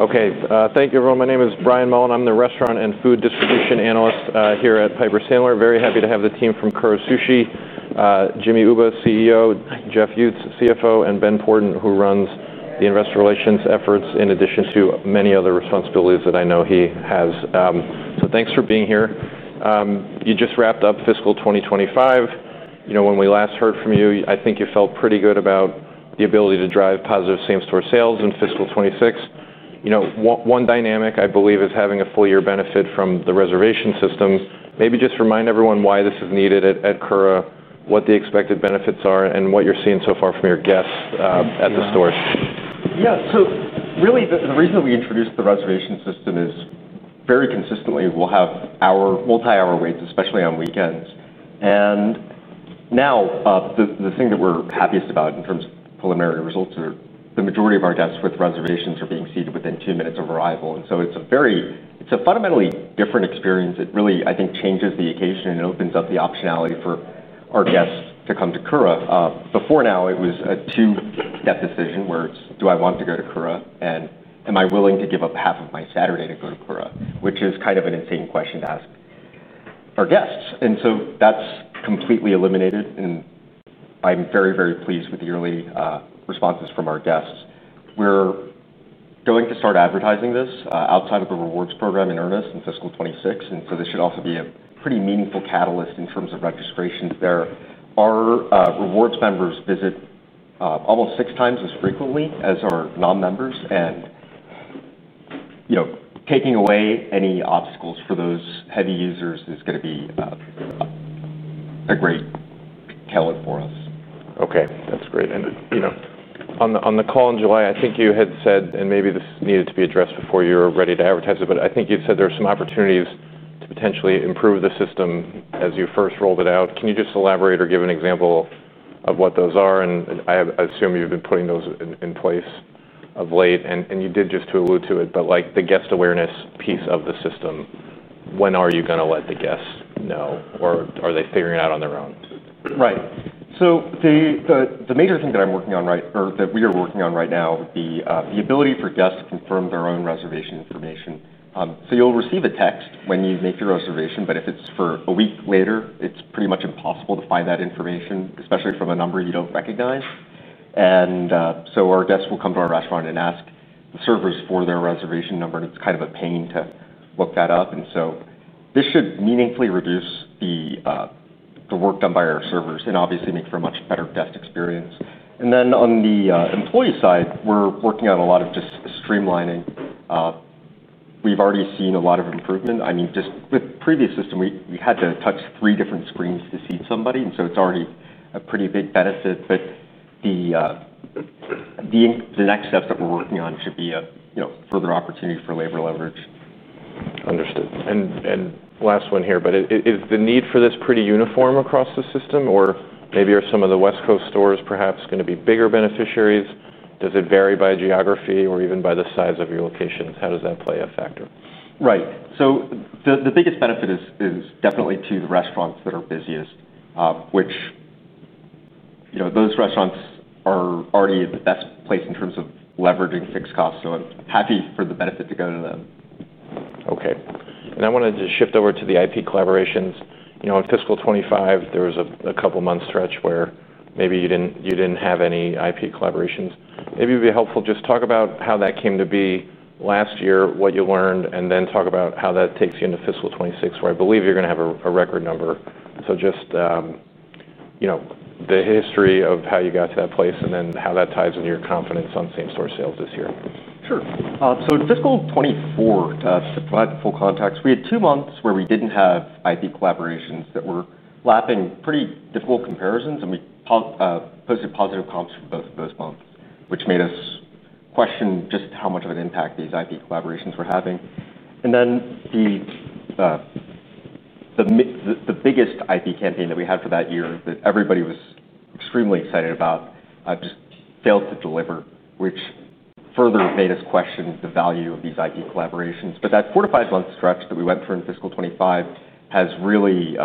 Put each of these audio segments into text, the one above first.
Okay, thank you, everyone. My name is Brian Mullen. I'm the Restaurant and Food Distribution Analyst here at Piper Sandler. Very happy to have the team from Kura Sushi, Jimmy Uba, CEO, Jeff Uttz, CFO, and Ben Porten, who runs the investor relations efforts in addition to many other responsibilities that I know he has. Thank you for being here. You just wrapped up fiscal 2025. When we last heard from you, I think you felt pretty good about the ability to drive positive same-store sales in fiscal 2026. One dynamic, I believe, is having a full-year benefit from the reservation system. Maybe just remind everyone why this is needed at Kura, what the expected benefits are, and what you're seeing so far from your guests at the stores. Yeah, so really the reason that we introduced the reservation system is very consistently we'll have our multi-hour waits, especially on weekends. The thing that we're happiest about in terms of preliminary results is the majority of our guests with reservations are being seated within two minutes of arrival. It's a fundamentally different experience. It really, I think, changes the occasion and opens up the optionality for our guests to come to Kura. Before now, it was a two-step decision where it's, do I want to go to Kura and am I willing to give up half of my Saturday to go to Kura, which is kind of an insane question to ask our guests. That's completely eliminated. I'm very, very pleased with the early responses from our guests. We're going to start advertising this outside of the rewards program in earnest in fiscal 2026. This should also be a pretty meaningful catalyst in terms of registrations there. Our rewards members visit almost six times as frequently as our non-members. Taking away any obstacles for those heavy users is going to be a great catalyst for us. Okay, that's great. On the call in July, I think you had said, and maybe this needed to be addressed before you were ready to advertise it, but I think you said there were some opportunities to potentially improve the system as you first rolled it out. Can you just elaborate or give an example of what those are? I assume you've been putting those in place of late, and you did just to allude to it, but like the guest awareness piece of the system, when are you going to let the guests know, or are they figuring it out on their own? Right. The major thing that I'm working on, or that we are working on right now, would be the ability for guests to confirm their own reservation information. You'll receive a text when you make your reservation, but if it's for a week later, it's pretty much impossible to find that information, especially from a number you don't recognize. Our guests will come to our restaurant and ask the servers for their reservation number, and it's kind of a pain to look that up. This should meaningfully reduce the work done by our servers and obviously make for a much better guest experience. On the employee side, we're working on a lot of just streamlining. We've already seen a lot of improvement. Just with the previous system, we had to touch three different screens to see somebody. It's already a pretty big benefit. The next steps that we're working on should be a further opportunity for labor leverage. Is the need for this pretty uniform across the system, or maybe are some of the West Coast stores perhaps going to be bigger beneficiaries? Does it vary by geography or even by the size of your locations? How does that play a factor? Right. The biggest benefit is definitely to the restaurants that are busiest, which, you know, those restaurants are already the best place in terms of leveraging fixed costs. I'm happy for the benefit to go to them. Okay. Now I wanted to shift over to the IP collaborations. In fiscal 2025, there was a couple of months stretch where maybe you didn't have any IP collaborations. Maybe it would be helpful just to talk about how that came to be last year, what you learned, and then talk about how that takes you into fiscal 2026, where I believe you're going to have a record number. Just the history of how you got to that place and then how that ties into your confidence on same-store sales this year. Sure. In fiscal 2024, to provide the full context, we had two months where we did not have IP collaborations that were lapping pretty difficult comparisons, and we posted positive comps for both of those months, which made us question just how much of an impact these IP collaborations were having. The biggest IP campaign that we had for that year that everybody was extremely excited about just failed to deliver, which further made us question the value of these IP collaborations. That four to five month stretch that we went through in fiscal 2025 has really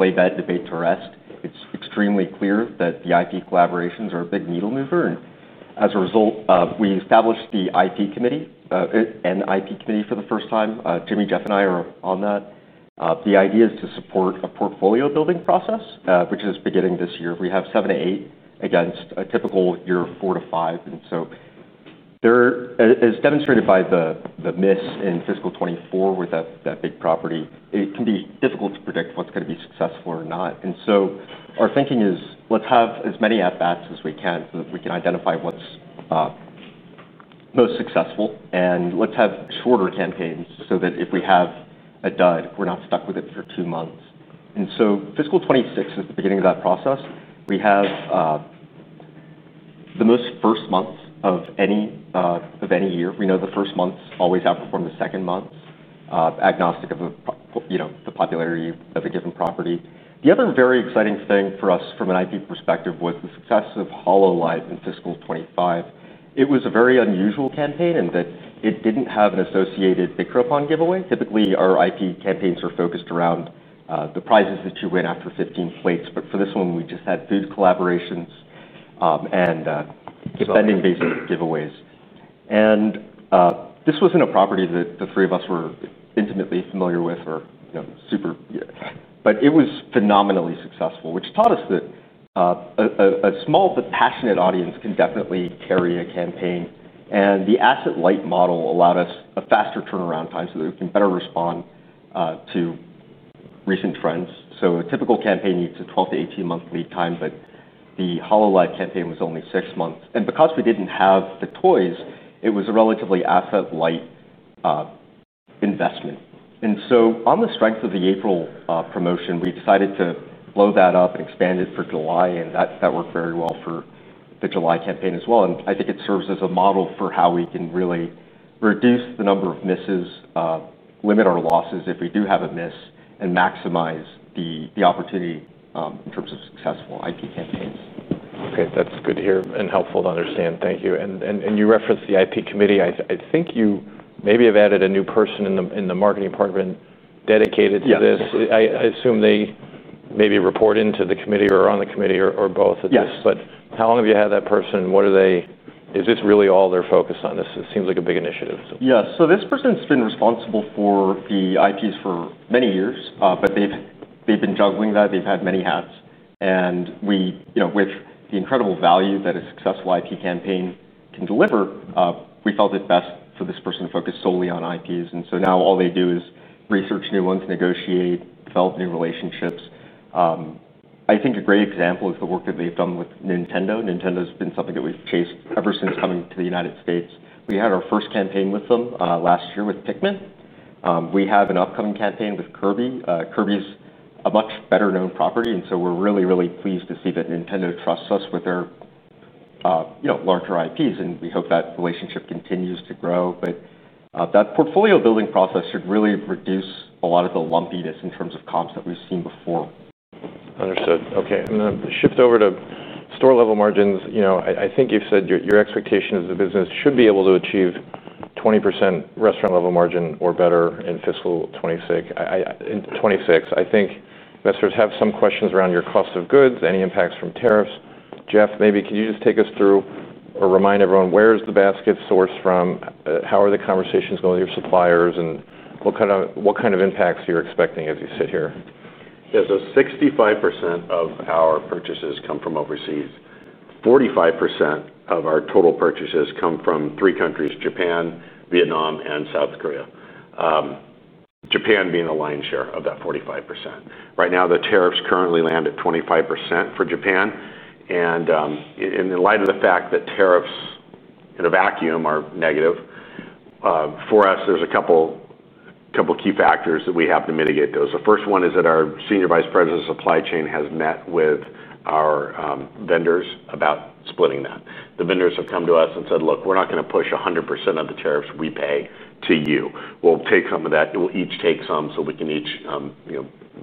laid that debate to rest. It is extremely clear that the IP collaborations are a big needle mover. As a result, we established the IP committee, an IP committee for the first time. Jimmy, Jeff, and I are on that. The idea is to support a portfolio building process, which is beginning this year. We have seven to eight against a typical year of four to five. As demonstrated by the miss in fiscal 2024 with that big property, it can be difficult to predict what is going to be successful or not. Our thinking is let's have as many at-bats as we can so that we can identify what is most successful. Let's have shorter campaigns so that if we have a dud, we are not stuck with it for two months. Fiscal 2026 is the beginning of that process. We have the most first months of any year. We know the first months always outperform the second months, agnostic of the popularity of a given property. The other very exciting thing for us from an IP perspective was the success of Hollow Light in fiscal 2025. It was a very unusual campaign in that it did not have an associated Vicropon giveaway. Typically, our IP campaigns are focused around the prizes that you win after 15 plates. For this one, we just had food collaborations and spending-based giveaways. This was not a property that the three of us were intimately familiar with or super, but it was phenomenally successful, which taught us that a small but passionate audience can definitely carry a campaign. The asset light model allowed us a faster turnaround time so that we can better respond to recent trends. A typical campaign needs a 12 to 18 month lead time, but the Hollow Light campaign was only six months. Because we did not have the toys, it was a relatively asset light investment. On the strength of the April promotion, we decided to blow that up and expand it for July. That worked very well for the July campaign as well. I think it serves as a model for how we can really reduce the number of misses, limit our losses if we do have a miss, and maximize the opportunity in terms of successful IP campaigns. Okay, that's good to hear and helpful to understand. Thank you. You referenced the IP committee. I think you maybe have added a new person in the marketing department dedicated to this. I assume they maybe report into the committee or on the committee or both of this. How long have you had that person? What are they, is this really all they're focused on? This seems like a big initiative. Yeah, so this person's been responsible for the IPs for many years, but they've been juggling that. They've had many hats. With the incredible value that a successful IP campaign can deliver, we felt it best for this person to focus solely on IPs. Now all they do is research new ones, negotiate, develop new relationships. I think a great example is the work that they've done with Nintendo. Nintendo's been something that we've chased ever since coming to the United States. We had our first campaign with them last year with Pikmin. We have an upcoming campaign with Kirby. Kirby's a much better-known property. We're really, really pleased to see that Nintendo trusts us with their larger IPs. We hope that relationship continues to grow. That portfolio building process should really reduce a lot of the lumpiness in terms of comps that we've seen before. Understood. Okay. I'm going to shift over to store-level margins. I think you've said your expectation is the business should be able to achieve 20% restaurant-level margin or better in fiscal 2026. I think investors have some questions around your cost of goods, any impacts from tariffs. Jeff, maybe can you just take us through or remind everyone where's the basket sourced from? How are the conversations going with your suppliers? What kind of impacts are you expecting as you sit here? Yeah, so 65% of our purchases come from overseas. 45% of our total purchases come from three countries: Japan, Vietnam, and South Korea. Japan being the lion's share of that 45%. Right now, the tariffs currently land at 25% for Japan. In light of the fact that tariffs in a vacuum are negative for us, there's a couple of key factors that we have to mitigate those. The first one is that our Senior Vice President of Supply Chain has met with our vendors about splitting that. The vendors have come to us and said, "Look, we're not going to push 100% of the tariffs we pay to you. We'll take some of that. We'll each take some so we can each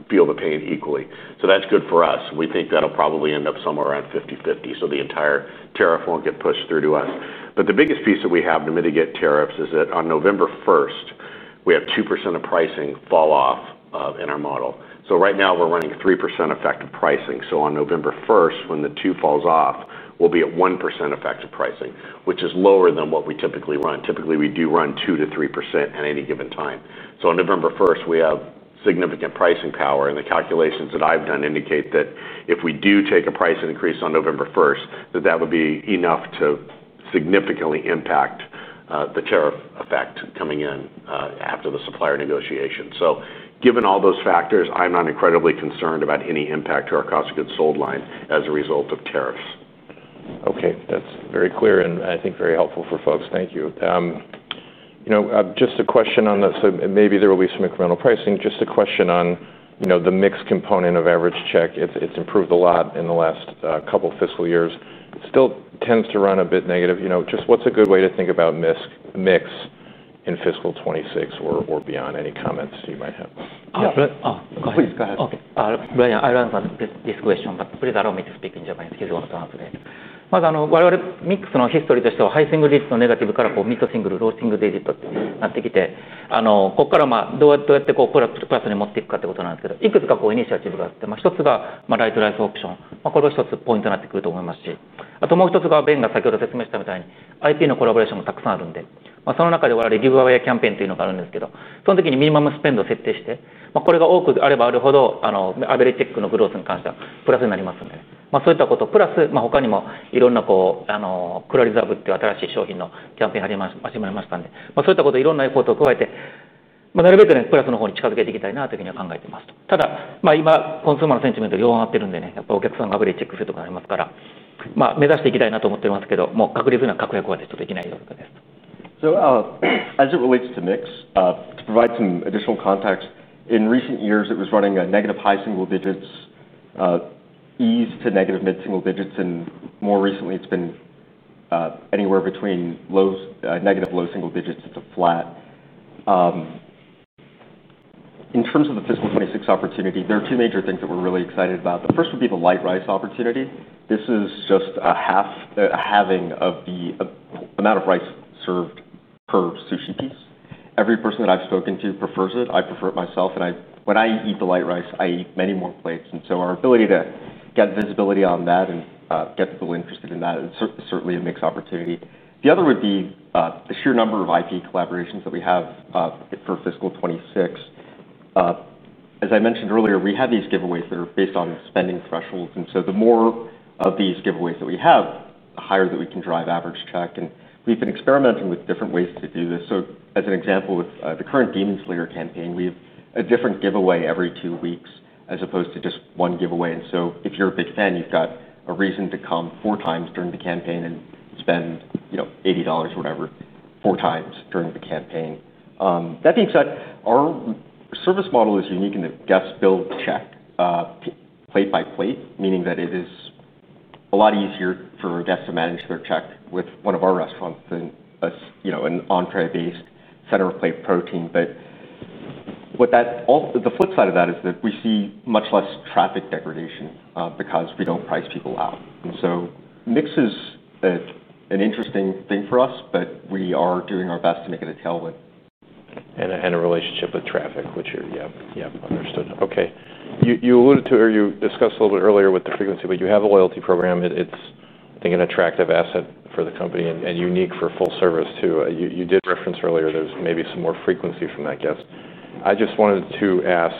feel the pain equally." That's good for us. We think that'll probably end up somewhere around 50-50, so the entire tariff won't get pushed through to us. The biggest piece that we have to mitigate tariffs is that on November 1, we have 2% of pricing fall off in our model. Right now, we're running a 3% effective pricing. On November 1, when the 2% falls off, we'll be at 1% effective pricing, which is lower than what we typically run. Typically, we do run 2% to 3% at any given time. On November 1, we have significant pricing power. The calculations that I've done indicate that if we do take a price increase on November 1, that would be enough to significantly impact the tariff effect coming in after the supplier negotiation. Given all those factors, I'm not incredibly concerned about any impact to our cost of goods sold line as a result of tariffs. Okay, that's very clear and I think very helpful for folks. Thank you. Just a question on that. Maybe there will be some incremental pricing. Just a question on the mix component of average check. It's improved a lot in the last couple of fiscal years. Still tends to run a bit negative. What's a good way to think about mix in fiscal 2026 or beyond? Any comments you might have? Please go ahead. Okay. はい、ありがとうございます。This question, but please allow me to speak in Japanese. 非常に楽しみです。まず、我々ミックスのヒストリーとしては、high single digit negative collapse of mid to single low single I'll just switch to mix to provide some additional context. In recent years, it was running a negative high single digits, eased to negative mid single digits, and more recently it's been anywhere between negative low single digits up to flat. In terms of the fiscal 2026 opportunity, there are two major things that we're really excited about. The first would be the light rice opportunity. This is just a halving of the amount of rice served per sushi piece. Every person that I've spoken to prefers it. I prefer it myself. When I eat the light rice, I eat many more plates. Our ability to get visibility on that and get people interested in that is certainly a mix opportunity. The other would be the sheer number of IP collaborations that we have for fiscal 2026. As I mentioned earlier, we have these giveaways that are based on spending thresholds. The more of these giveaways that we have, the higher that we can drive average check. We've been experimenting with different ways to do this. For example, with the current Demon Slayer campaign, we have a different giveaway every two weeks as opposed to just one giveaway. If you're a big fan, you've got a reason to come four times during the campaign and spend, you know, $80 or whatever, four times during the campaign. That being said, our service model is unique in that guests build check plate by plate, meaning that it is a lot easier for guests to manage their check with one of our restaurants than, you know, an entree-based center of plate protein. The flip side of that is that we see much less traffic degradation because we don't price people out. Mix is an interesting thing for us, but we are doing our best to make it a tailwind. A relationship with traffic, which you're, yeah, yeah, understood. You alluded to, or you discussed a little bit earlier with the frequency, but you have a loyalty program. It's, I think, an attractive asset for the company and unique for full service too. You did reference earlier, there's maybe some more frequency from that guest. I just wanted to ask,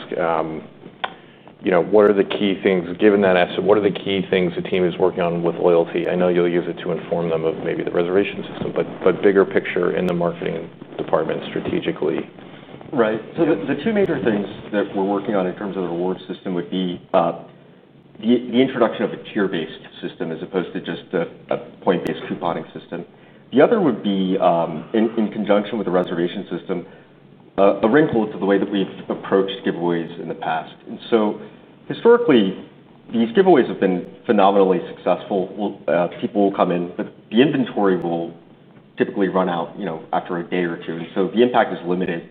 you know, what are the key things, given that asset, what are the key things the team is working on with loyalty? I know you'll use it to inform them of maybe the reservation system, but bigger picture in the marketing department strategically. Right. The two major things that we're working on in terms of the reward system would be the introduction of a tier-based system as opposed to just a point-based couponing system. The other would be in conjunction with the reservation system, a wrinkle to the way that we've approached giveaways in the past. Historically, these giveaways have been phenomenally successful. People will come in, but the inventory will typically run out after a day or two, so the impact is limited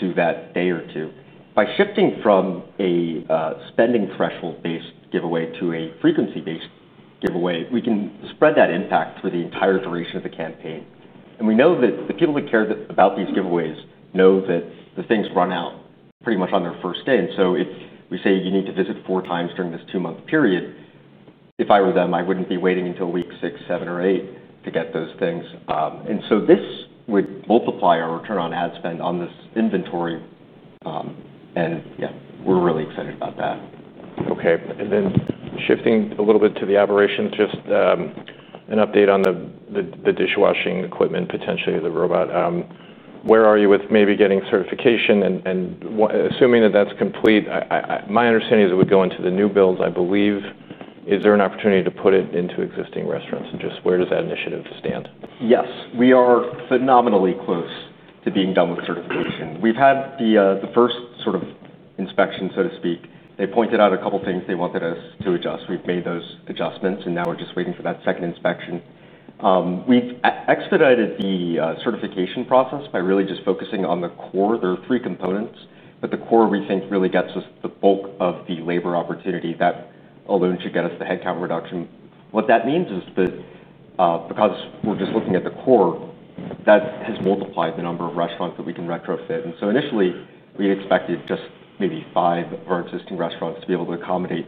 to that day or two. By shifting from a spending threshold-based giveaway to a frequency-based giveaway, we can spread that impact for the entire duration of the campaign. We know that the people that care about these giveaways know that the things run out pretty much on their first day. If we say you need to visit four times during this two-month period, if I were them, I wouldn't be waiting until week six, seven, or eight to get those things. This would multiply our return on ad spend on this inventory. We're really excited about that. Okay. Shifting a little bit to the operation, just an update on the dishwashing equipment, potentially the robot. Where are you with maybe getting certification? Assuming that that's complete, my understanding is it would go into the new builds. I believe, is there an opportunity to put it into existing restaurants? Just where does that initiative stand? Yes, we are phenomenally close to being done with certification. We've had the first sort of inspection, so to speak. They pointed out a couple of things they wanted us to adjust. We've made those adjustments, and now we're just waiting for that second inspection. We've expedited the certification process by really just focusing on the core. There are three components, but the core we think really gets us the bulk of the labor opportunity. That alone should get us the headcount reduction. What that means is that because we're just looking at the core, that has multiplied the number of restaurants that we can retrofit. Initially, we had expected just maybe five of our existing restaurants to be able to accommodate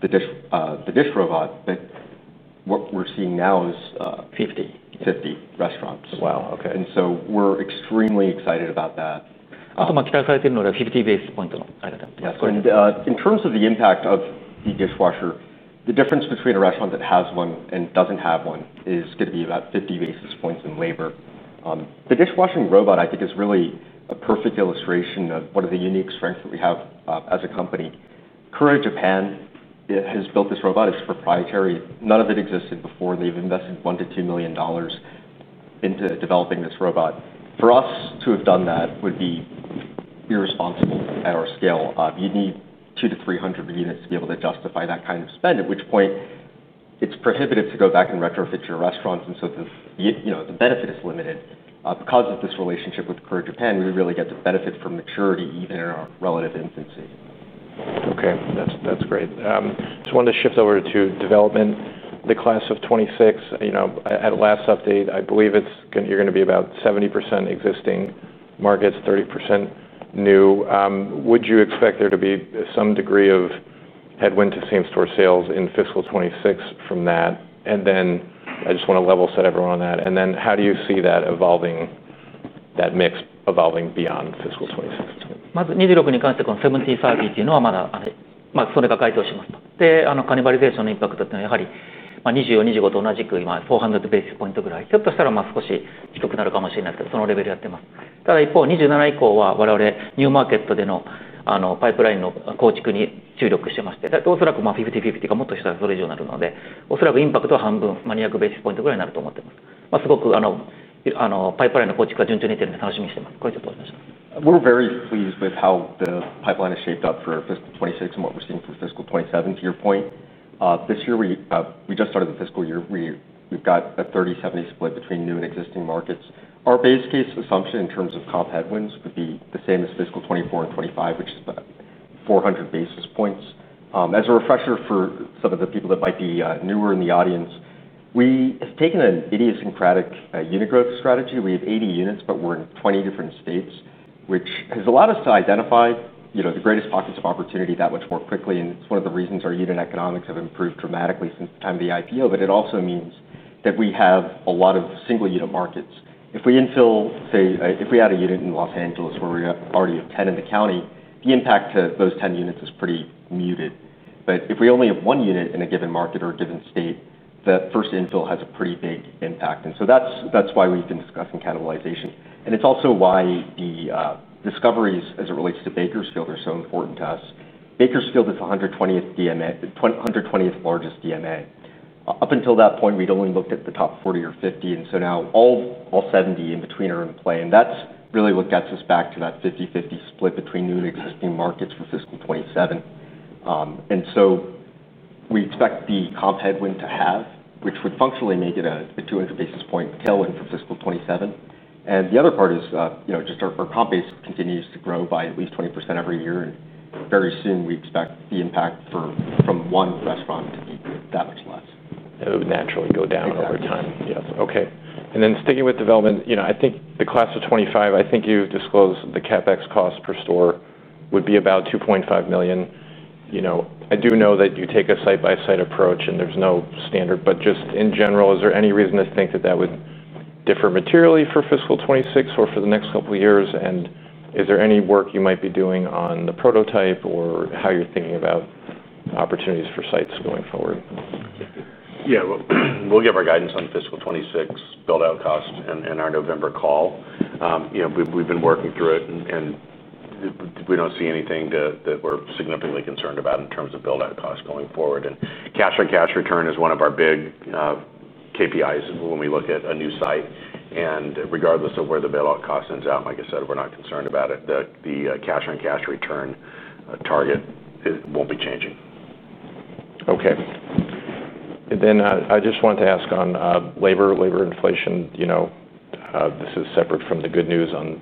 the dishwashing robot. What we're seeing now is 50 restaurants as well. We're extremely excited about that. あとまあ期待されているのが50ベースポイントのあれだと思います。Yeah, and in terms of the impact of the dishwasher, the difference between a restaurant that has one and doesn't have one is going to be about 50 basis points in labor. The dishwashing robot, I think, is really a perfect illustration of one of the unique strengths that we have as a company. Kura Japan has built this robot. It's proprietary. None of it existed before. They've invested $1 to $2 million into developing this robot. For us to have done that would be irresponsible at our scale. You'd need 200 to 300 units to be able to justify that kind of spend, at which point it's prohibitive to go back and retrofit your restaurants. The benefit is limited. Because of this relationship with Kura Japan, we really get to benefit from maturity even in our relative infancy. Okay, that's great. I just wanted to shift over to development. The class of 2026, you know, at last update, I believe it's going to, you're going to be about 70% existing markets, 30% new. Would you expect there to be some degree of headwind to same-store sales in fiscal 2026 from that? I just want to level set everyone on that. How do you see that evolving, that mix evolving beyond fiscal 2026? まず26に関してこの17-30っていうのはまだあれ、まあそれが該当しますと。で、あのカニバリゼーションのインパクトっていうのはやはり20を25と同じく今400ベースポイントぐらい、ひょっとしたらまあ少し低くなるかもしれないですけど、そのレベルやってます。ただ一方27以降は我々ニューマーケットでのあのパイプラインの構築に注力してまして、だいたいおそらくまあ50-50かもっとしたらそれ以上になるので、おそらくインパクトは半分、ま200ベースポイントぐらいになると思ってます。まあすごくあのあのパイプラインの構築が順調にいってるんで楽しみにしてます。これ以上どうでしょうか。We're very pleased with how the pipeline is shaped up for fiscal 2026 and what we're seeing for fiscal 2027, to your point. This year, we just started the fiscal year. We've got the 30-70 split between new and existing markets. Our base case assumption in terms of comp headwinds would be the same as fiscal 2024 and 2025, which is about 400 basis points. As a refresher for some of the people that might be newer in the audience, we have taken an idiosyncratic unit growth strategy. We have 80 units, but we're in 20 different states, which has allowed us to identify the greatest pockets of opportunity that much more quickly. It's one of the reasons our unit economics have improved dramatically since the time of the IPO. It also means that we have a lot of single unit markets. If we infill, say, if we add a unit in Los Angeles where we already have 10 in the county, the impact to those 10 units is pretty muted. If we only have one unit in a given market or a given state, that first infill has a pretty big impact. That's why we've been discussing cannibalization. It's also why the discoveries as it relates to Bakersfield are so important to us. Bakersfield is the 120th largest DMA. Up until that point, we'd only looked at the top 40 or 50. Now all 70 in between are in play. That's really what gets us back to that 50-50 split between new and existing markets for fiscal 2027. We expect the comp headwind to have, which would functionally make it a 200 basis point tailwind for fiscal 2027. The other part is, our comp base continues to grow by at least 20% every year. Very soon we expect the impact from one restaurant to be that much less. It would naturally go down over time. Yeah. Okay. Sticking with development, I think the class of 2025, I think you disclosed the CapEx cost per store would be about $2.5 million. I do know that you take a site-by-site approach and there's no standard, but just in general, is there any reason to think that that would differ materially for fiscal 2026 or for the next couple of years? Is there any work you might be doing on the prototype or how you're thinking about the opportunities for sites going forward? Yeah, we'll give our guidance on fiscal 2026 build-out costs in our November call. We've been working through it and we don't see anything that we're significantly concerned about in terms of build-out costs going forward. Cash-on-cash return is one of our big KPIs when we look at a new site. Regardless of where the build-out cost ends out, like I said, we're not concerned about it. The cash-on-cash return target won't be changing. Okay. I just wanted to ask on labor, labor inflation. This is separate from the good news on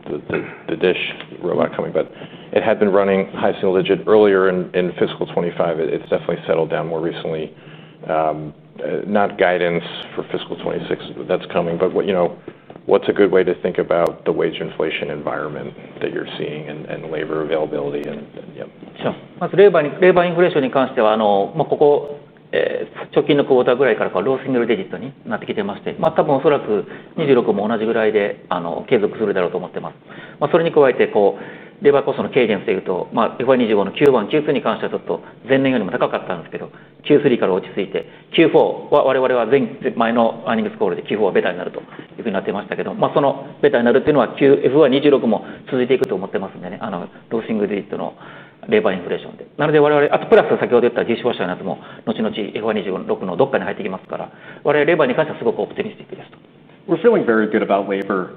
the dish robot coming, but it had been running high single digit earlier in fiscal 2025. It's definitely settled down more recently. Not guidance for fiscal 2026 that's coming, but what's a good way to think about the wage inflation environment that you're seeing and labor availability? Yep. まず、レバ、レバインフレーションに関しては、ここ、直近のクオーターぐらいからローシングルデジットになってきてまして、多分おそらく2026も同じぐらいで継続するだろうと思ってます。それに加えて、レバーコストの軽減をしていると、FI2025のQ1、Q2に関してはちょっと前年よりも高かったんですけど、Q3から落ち着いて、Q4は我々は前前のアーニングスコールでQ4はベターになるというふうになってましたけど、そのベターになるっていうのはQ1 2026も続いていくと思ってますんで、ローシングルデジットのレバーインフレーションで、なので我々あとプラス先ほど言ったディッシュウォッシャーのやつも後々FI2026のどっかに入ってきますから、我々レバーに関してはすごくオプティミスティックです。We're feeling very good about labor.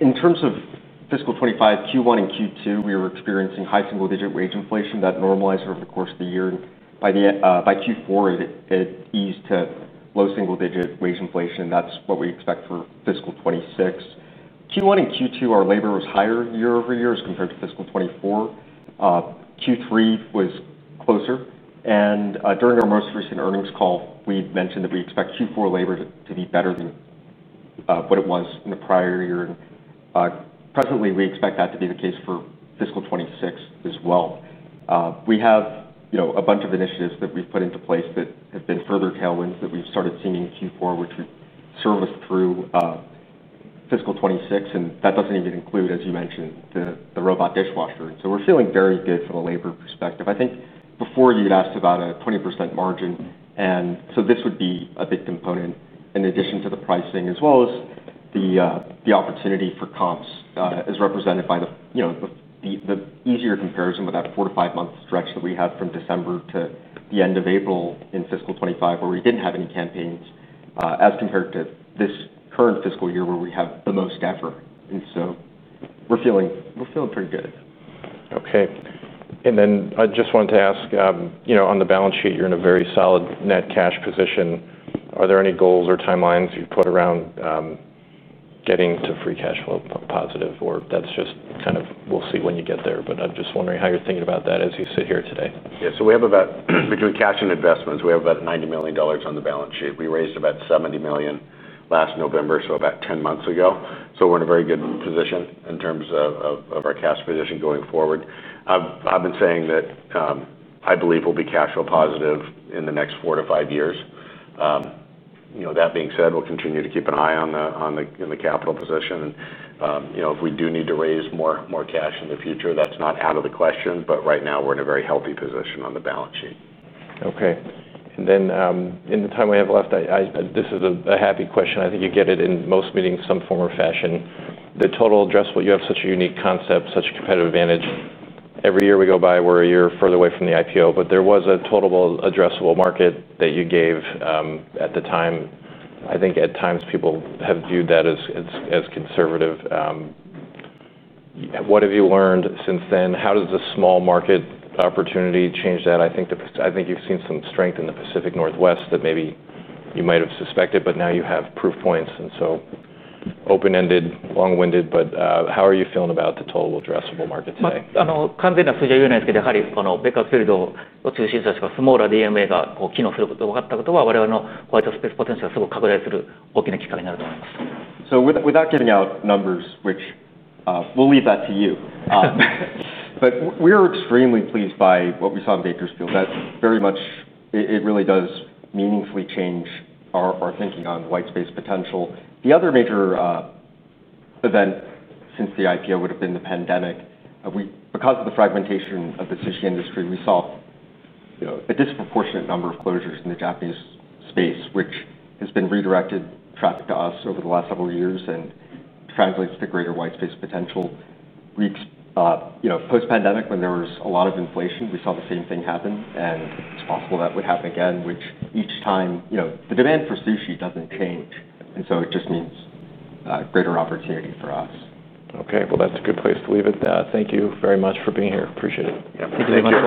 In terms of fiscal 2025, Q1 and Q2, we were experiencing high single-digit wage inflation that normalized over the course of the year. By Q4, it eased to low single-digit wage inflation, and that's what we expect for fiscal 2026. Q1 and Q2, our labor was higher year over year as compared to fiscal 2024. Q3 was closer. During our most recent earnings call, we mentioned that we expect Q4 labor to be better than what it was in the prior year. Presently, we expect that to be the case for fiscal 2026 as well. We have a bunch of initiatives that we've put into place that have been further tailwinds that we've started seeing in Q4, which would serve us through fiscal 2026. That doesn't even include, as you mentioned, the robot dishwasher. We're feeling very good from a labor perspective. I think before you had asked about a 20% margin. This would be a big component in addition to the pricing, as well as the opportunity for comps as represented by the easier comparison with that four to five month stretch that we have from December to the end of April in fiscal 2025, where we didn't have any campaigns as compared to this current fiscal year where we have the most effort. We're feeling pretty good. Okay. I just wanted to ask, on the balance sheet, you're in a very solid net cash position. Are there any goals or timelines you've put around getting to free cash flow positive? That's just kind of, we'll see when you get there. I'm just wondering how you're thinking about that as you sit here today. Yeah, so we have about, between cash and investments, we have about $90 million on the balance sheet. We raised about $70 million last November, so about 10 months ago. We're in a very good position in terms of our cash position going forward. I've been saying that I believe we'll be cash flow positive in the next four to five years. That being said, we'll continue to keep an eye on the capital position. If we do need to raise more cash in the future, that's not out of the question. Right now, we're in a very healthy position on the balance sheet. Okay. In the time we have left, this is a happy question. I think you get it in most meetings in some form or fashion. The total addressable, you have such a unique concept, such a competitive advantage. Every year we go by, we're a year further away from the IPO, but there was a total addressable market that you gave at the time. I think at times people have viewed that as conservative. What have you learned since then? How does the small market opportunity change that? I think you've seen some strength in the Pacific Northwest that maybe you might have suspected, but now you have proof points. Open-ended, long-winded, but how are you feeling about the total addressable market today? あの、完全な数字は言えないですけど、やはりこのベーカーズフィールドを中心としたスモールなDMAがこう機能することで分かったことは、我々のクワイエットスペースポテンシャルをすごく拡大する大きなきっかけになると思います。Without getting out numbers, which we'll leave that to you, we're extremely pleased by what we saw in Bakersfield. That really does meaningfully change our thinking on the white space potential. The other major event since the IPO would have been the pandemic. Because of the fragmentation of the sushi industry, we saw a disproportionate number of closures in the Japanese space, which has redirected traffic to us over the last several years and translates to greater white space potential. Post-pandemic, when there was a lot of inflation, we saw the same thing happen. It's possible that would happen again, which each time, you know, the demand for sushi doesn't change. It just means a greater opportunity for us. Okay, that's a good place to leave it. Thank you very much for being here. Appreciate it. Yeah, thank you very much.